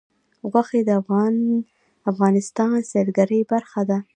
غوښې د افغانستان د سیلګرۍ برخه ده.